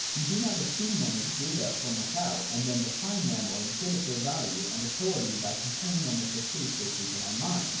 We do not assume them as data from without, and then define them or exhibit their value and authority by comparing them with the shape they take in our minds.